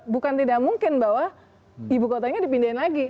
bukan tidak mungkin bahwa ibu kotanya dipindahin lagi